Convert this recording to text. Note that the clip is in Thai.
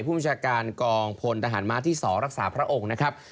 ผู้บัญชาการกองพลทหารม้าที่๒รักษาพระองค์นะครับ